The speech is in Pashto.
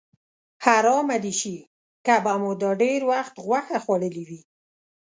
حرامه دې شي که به مو دا ډېر وخت غوښه خوړلې وي.